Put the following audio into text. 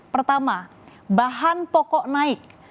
pertama bahan pokok naik